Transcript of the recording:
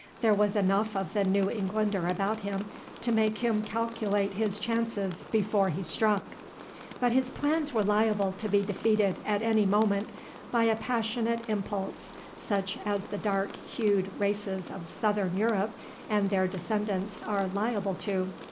There was enough of the New Englander about him to make him calculate his chances before he struck; but his plans were liable to be defeated at any moment by a passionate impulse such as the dark hued races of Southern Europe and their descendants are liable to.